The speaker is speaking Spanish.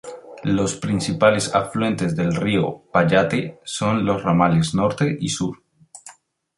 Los principales afluentes del río Payette son los ramales Norte y Sur.